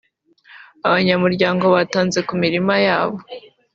Abanyamuryango batanze ku mirima yabo